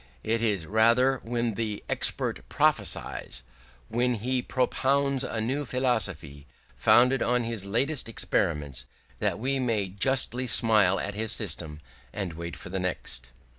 It is rather when the expert prophesies, when he propounds a new philosophy founded on his latest experiments, that we may justly smile at his system, and wait for the next.